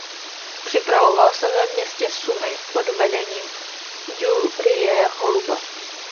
Připravoval se ve městě Sumy pod vedením Jurije Holuba.